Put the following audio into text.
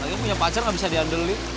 lagi punya pacar gak bisa diandelin